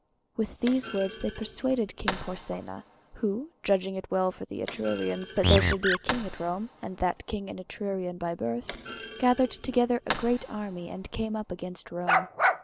With these words they persuaded King Porsenna, who judging it well for the Etrurians that there should be a king at Rome, and that king an Etrurian by birth, gathered together a great army and came up against Rome.